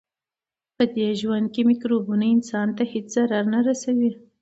پدې ژوند کې مکروبونه انسان ته هیڅ ضرر نه رسوي.